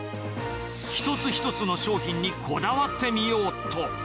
一つ一つの商品にこだわってみようと。